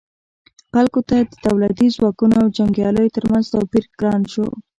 خلکو ته د دولتي ځواکونو او جنګیالیو ترمنځ توپیر ګران شو.